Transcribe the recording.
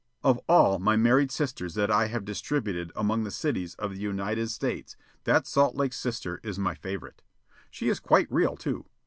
Of all my married sisters that I have distributed among the cities of the United States, that Salt Lake sister is my favorite. She is quite real, too.